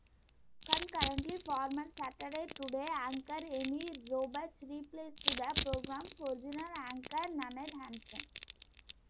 Concurrently, former "Saturday Today" anchor Amy Robach replaced the program's original anchor Nanette Hansen.